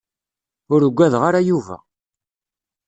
Ur uggadeɣ ara Yuba.